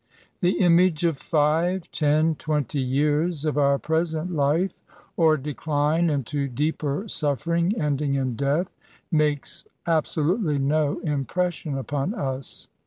The image of five, ten, twenty years of our present life, or decline into deeper suffering, ending in death, makes absolutely no impression upon us.